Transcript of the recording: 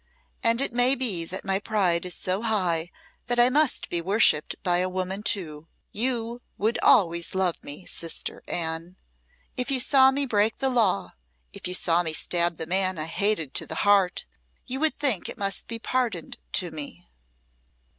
And it may be that my pride is so high that I must be worshipped by a woman too. You would always love me, sister Anne. If you saw me break the law if you saw me stab the man I hated to the heart, you would think it must be pardoned to me."